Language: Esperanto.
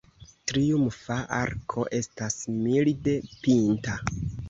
Triumfa arko estas milde pinta.